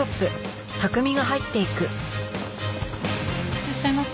いらっしゃいませ。